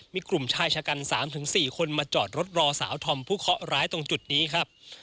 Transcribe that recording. มีกลุ่มชายชะกัน๓๔คนมาจอดรถรอสาวธอมผู้เคาะร้ายตรงจุดนี้ครับ